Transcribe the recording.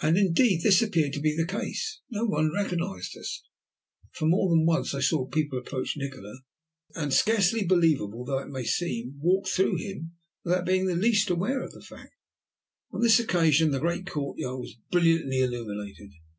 And indeed this appeared to be the case, for no one recognized us, and more than once I saw people approach Nikola, and, scarcely believable though it may seem, walk through him without being the least aware of the fact. On this occasion the great courtyard was brilliantly illuminated.